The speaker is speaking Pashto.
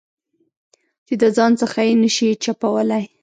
چې د ځان څخه یې نه شې چپولای.